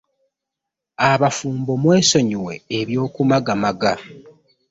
Abafumbo mwesonyiwe eby'okumagaamaga.